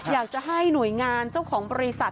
อยากจะให้หน่วยงานเจ้าของบริษัท